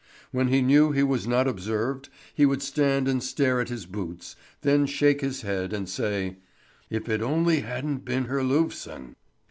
When he knew he was not observed he would stand and stare at his boots, then shake his head and say: "If it only hadn't been Herlufsen!"